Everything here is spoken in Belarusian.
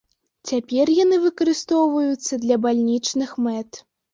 Цяпер яны выкарыстоўваюцца для бальнічных мэт.